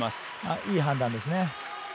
いい判断ですね。